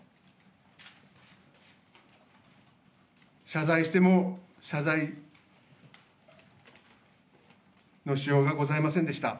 謝罪しても、謝罪のしようがございませんでした。